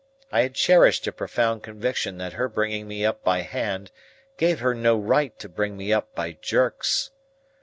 I had cherished a profound conviction that her bringing me up by hand gave her no right to bring me up by jerks.